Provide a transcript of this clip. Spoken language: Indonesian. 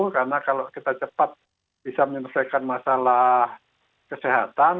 karena kalau kita cepat bisa menyelesaikan masalah kesehatan